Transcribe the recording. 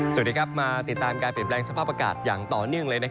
สวัสดีครับมาติดตามการเปลี่ยนแปลงสภาพอากาศอย่างต่อเนื่องเลย